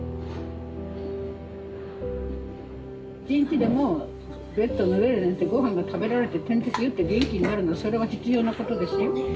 １日でもベッドの上で寝てごはんが食べられて点滴打って元気になるのそれは必要なことですよ。